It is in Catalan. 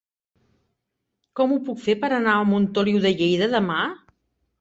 Com ho puc fer per anar a Montoliu de Lleida demà?